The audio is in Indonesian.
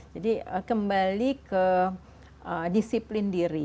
jadi kembali ke disiplin diri